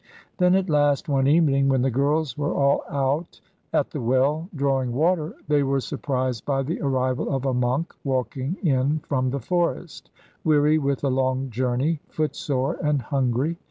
Then at last one evening, when the girls were all out at the well drawing water, they were surprised by the arrival of a monk walking in from the forest, weary with a long journey, footsore and hungry.